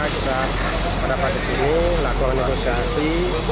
kita dapat di sini lakukan inovasiasi